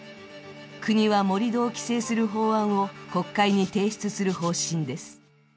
国は盛り土を規制する法案を国会に提出する方針です。